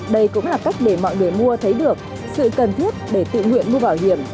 đây cũng là cách để mọi người mua thấy được sự cần thiết để tự nguyện mua bảo hiểm